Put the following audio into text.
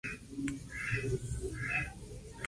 Su economía se basa en comercio, servicios e industria.